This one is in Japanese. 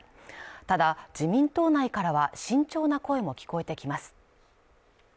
ただ自民党内からは慎重な声も聞こえてきます